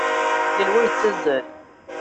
Yal wa yettazzal.